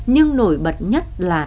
nhưng nổi bật nhất là